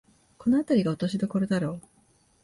このあたりが落としどころだろう